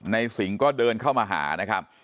สิงห์ก็เดินเข้ามาหานะครับ